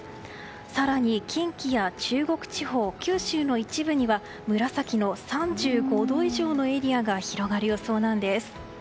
更に近畿や中国地方九州の一部には紫の３５度以上のエリアが広がる予想なんです。